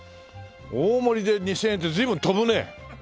大盛りで２０００円って随分飛ぶね。